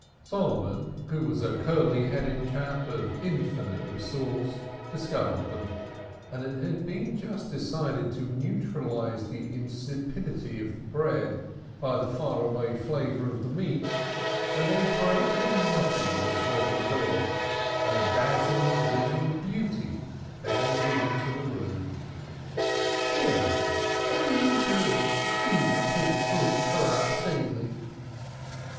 Solomon, who was a curly headed chap of infinite resource, discovered them, and it had just been decided to neutralize the insipidity of the bread by the far away flavor of the meat, when a peremptory knocking was heard at the door, and a dazzling vision of beauty bounded into the room. "'Ere! What are you doin', leavin' things leak through our ceiling?"